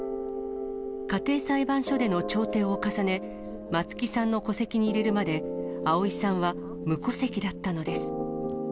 家庭裁判所での調停を重ね、松木さんの戸籍に入れるまで、あおいさんは無戸籍だったのです。